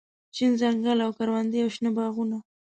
شين ځنګل او کروندې او شنه باغونه